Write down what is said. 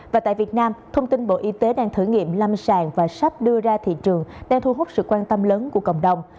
và tại việt nam thông tin bộ y tế đang thử nghiệm lâm sàng và sắp đưa ra thị trường đang thu hút sự quan tâm lớn của cộng đồng